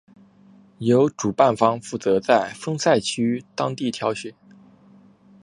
由主办方负责在分赛区当地挑选。